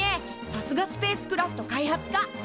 さすがスペースクラフト開発科！